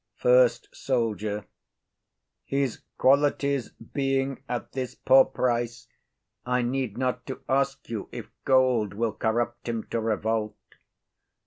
FIRST SOLDIER. His qualities being at this poor price, I need not to ask you if gold will corrupt him to revolt.